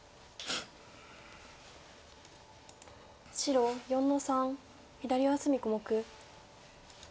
白４の三左上隅小目。